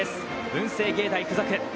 文星芸大付属。